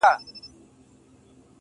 مینه چي مو وڅاڅي له ټولو اندامو.